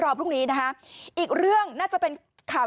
พรุ่งนี้นะคะอีกเรื่องน่าจะเป็นข่าว